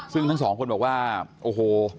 ซึ่งทั้งสองคนบอกว่าโอ้โห